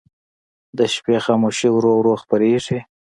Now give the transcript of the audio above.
د شپې خاموشي ورو ورو خپرېږي.